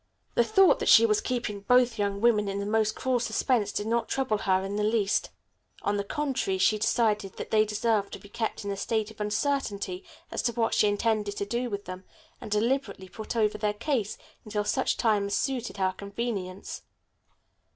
The thought that she was keeping both young women in the most cruel suspense did not trouble her in the least. On the contrary she decided that they deserved to be kept in a state of uncertainty as to what she intended to do with them, and deliberately put over their case until such time as suited her convenience.